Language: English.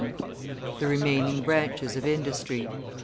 THE REMAINING BRANCHES OF INDUSTRY.